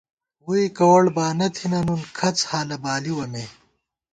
ووئی کوَڑ بانہ تھنہ نُن کھڅ حالہ بالِوَہ مے